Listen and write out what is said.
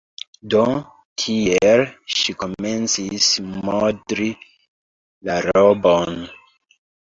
Do, tiel ŝi komencis modli la robon.